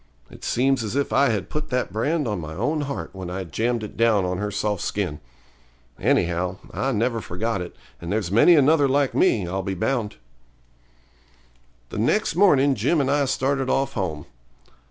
It seems as if I had put that brand on my own heart when I jammed it down on her soft skin. Anyhow, I never forgot it, and there's many another like me, I'll be bound. The next morning Jim and I started off home.